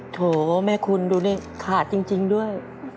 โถแม่คุณดูดิขาดจริงด้วย